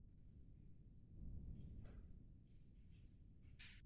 Pro stanici pracovala více jak třicet let.